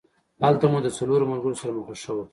هلته مو د څلورو ملګرو سره مخه ښه وکړه.